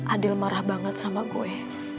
adil marah banget sama gue